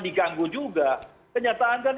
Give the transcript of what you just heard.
diganggu juga kenyataan kan